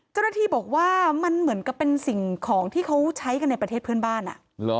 เจ้าหน้าที่บอกว่ามันเหมือนกับเป็นสิ่งของที่เขาใช้กันในประเทศเพื่อนบ้านอ่ะ